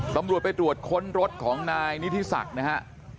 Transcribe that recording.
ตำรวจไปตรวจค้นรถของนายนิธิศักดิ์นะฮะ